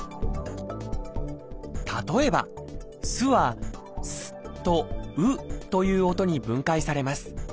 例えば「す」は「Ｓ」と「Ｕ」という音に分解されます。